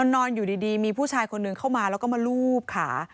นอนอยู่ดีมีผู้ชายคนหนึ่งเข้ามาแล้วก็มาลูบขา